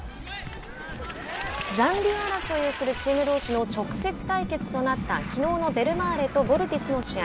残留争いをするチームどうしの直接対決となったきのうのベルマーレとヴォルティスの試合。